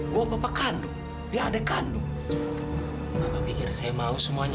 gue bapak kandung di adek kandung mau pikir saya mau semuanya pak harta kekayaan uang dan segalanya